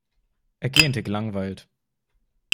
Er gähnte gelangweilt.